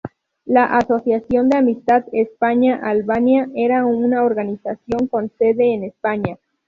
La Asociación de Amistad España-Albania era una organización con sede en España.